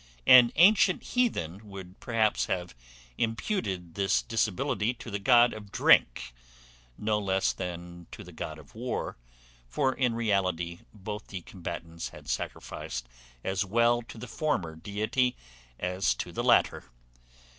An antient heathen would perhaps have imputed this disability to the god of drink, no less than to the god of war; for, in reality, both the combatants had sacrificed as well to the former deity as to the latter.